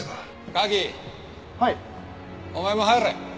お前も入れ。